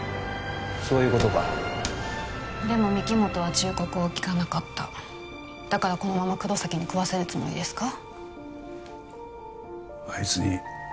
そういうことかでも御木本は忠告を聞かなかっただからこのまま黒崎に喰わせるつもりですか？